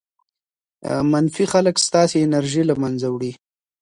منفي خلک ستاسې انرژي له منځه وړي.